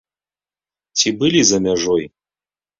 Ці былі за мяжой?